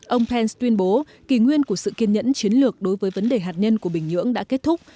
ông pence tuyên bố kỷ nguyên của sự kiên nhẫn chiến lược đối với vấn đề hạt nhân của bình nhưỡng đã kết thúc